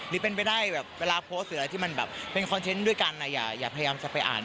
หรือเป็นไปได้แบบเวลาโพสต์หรืออะไรอยากจะไปอ่าน